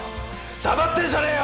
黙ってんじゃねぇよ！